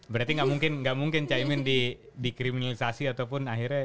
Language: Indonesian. berarti gak mungkin cak iman dikriminalisasi ataupun akhirnya